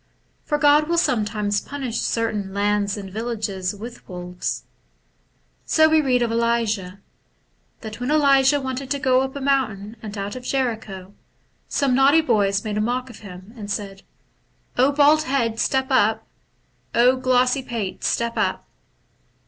For God wiU sometimes punish certain lands and villages with wolves. So we read of Elisha, — that when Elisha wanted to go up a mountain out of Jericho, some naughty boys made a mock of him and said, * bald head, step up ! glossy pate, step up